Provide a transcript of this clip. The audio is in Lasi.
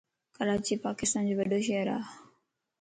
ڪراچي پاڪستانءَ جو وڏو شھر ا